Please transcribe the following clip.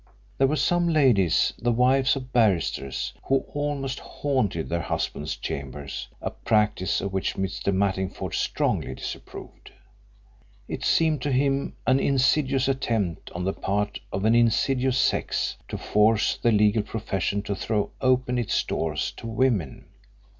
There were some ladies, the wives of barristers, who almost haunted their husbands' chambers a practice of which Mr. Mattingford strongly disapproved. It seemed to him an insidious attempt on the part of an insidious sex to force the legal profession to throw open its doors to women.